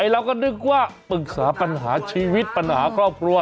เราก็นึกว่าปรึกษาปัญหาชีวิตปัญหาครอบครัว